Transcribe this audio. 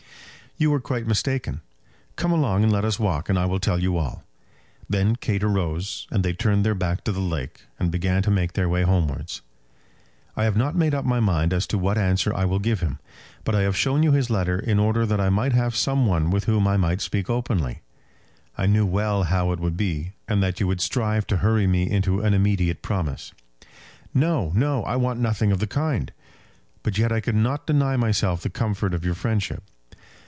"You are quite mistaken. Come along and let us walk, and I will tell you all." Then Kate arose, and they turned their back to the lake, and began to make their way homewards. "I have not made up my mind as to what answer I will give him; but I have shown you his letter in order that I might have some one with whom I might speak openly. I knew well how it would be, and that you would strive to hurry me into an immediate promise." "No; no; I want nothing of the kind." "But yet I could not deny myself the comfort of your friendship."